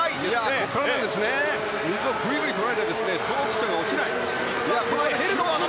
ここから水をぐいぐい捉えてストロークが落ちない。